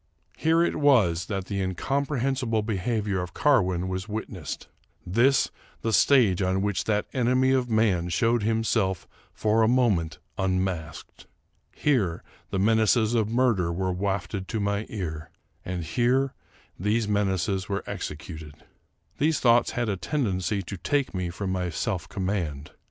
Here it was that the incomprehensible behavior of Car win was witnessed; this the stage on which that enemy of man showed himself for a moment unmasked. Here the menaces of murder were wafted to my ear ; and here these menaces were executed. These thoughts had a tendency to take from me my self command.